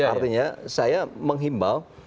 artinya saya menghimbau